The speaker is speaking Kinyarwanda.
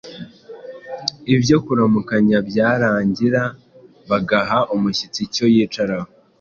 Ibyo kuramukanya byarangira, bagaha umushyitsi icyo yicaraho,